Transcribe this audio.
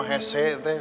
orang saya sudah datang